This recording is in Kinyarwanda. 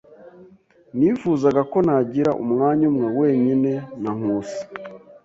Nifuzaga ko nagira umwanya umwe wenyine na Nkusi.